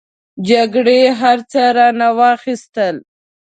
جګړې هر څه رانه واخستل.